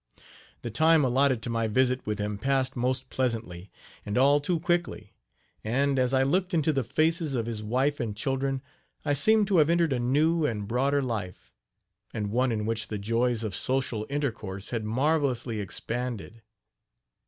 The time allotted to my visit with him passed most pleasantly, and all too quickly; and, as I looked into the faces of his wife and children, I seemed to have entered a new and broader life, and one in which the joys of social intercourse had marvelously expanded.